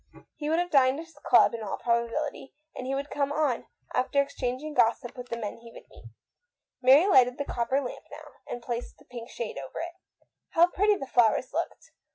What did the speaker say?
He would have dined at his club in all probability, and he would come on after exchanging gossip with the men he would meet. Mary lighted the copper lamp now, and placed the pink shade over it. How pretty the flowers looked!